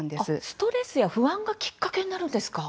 ストレスや不安がきっかけになるんですか。